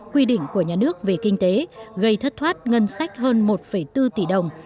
quy định của nhà nước về kinh tế gây thất thoát ngân sách hơn một bốn tỷ đồng